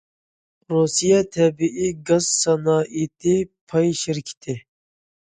رۇسىيە تەبىئىي گاز سانائىتى پاي شىركىتى.